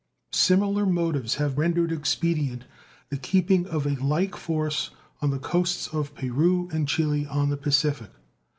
Similar motives have rendered expedient the keeping of a like force on the coasts of Peru and Chile on the Pacific.